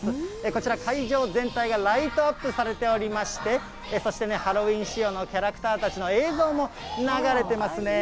こちら、会場全体がライトアップされておりまして、そしてね、ハロウィーン仕様のキャラクターたちの映像も流れてますね。